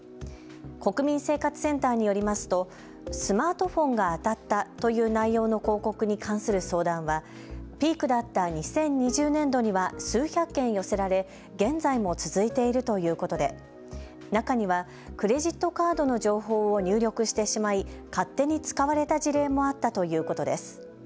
国民生活センターによりますとスマートフォンが当たったという内容の広告に関する相談はピークだった２０２０年度には数百件、寄せられ現在も続いているということで中にはクレジットカードの情報を入力してしまい勝手に使われた事例もあったということです。